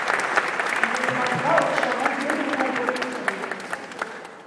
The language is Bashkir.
Юрғанға оҡшаған бер генә болот та юҡ.